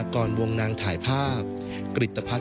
ก็ต่อไปครับ